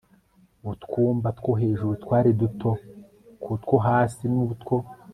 utwumba two hejuru twari duto ku two hasi n utwo